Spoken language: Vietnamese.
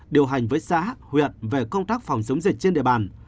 điều hành với xã huyện về công tác phòng chống dịch trên địa bàn